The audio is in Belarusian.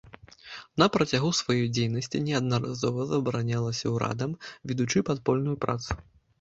На працягу сваёй дзейнасці неаднаразова забаранялася ўрадам, ведучы падпольную працу.